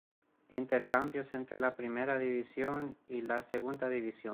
Intercambios entre la Primera División y la Segunda División